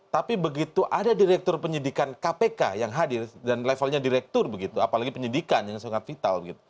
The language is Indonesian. tapi begitu ada direktur penyidikan kpk yang hadir dan levelnya direktur begitu apalagi penyidikan yang sangat vital